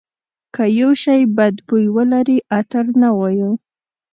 که یو شی بد بوی ولري عطر نه وایو.